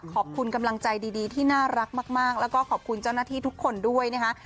ขอบคุณกำลังใจดีที่น่ารักมากแล้วก็ขอบคุณเจ้าหน้าที่ทุกคนด้วยนะคะ